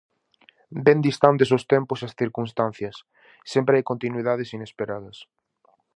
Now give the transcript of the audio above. Ben distantes os tempos e as circunstancias, sempre hai continuidades inesperadas.